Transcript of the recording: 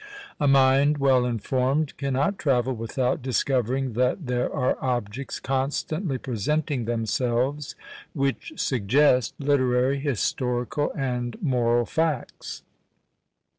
A mind well informed cannot travel without discovering that there are objects constantly presenting themselves, which suggest literary, historical, and moral facts.